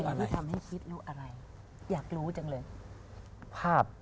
ที่ทำให้คิดรู้อะไรอยากรู้จังเลยภาพ